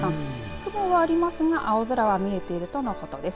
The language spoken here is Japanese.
雲はありますが青空は見えているとのことです。